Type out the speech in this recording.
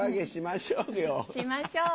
しましょう。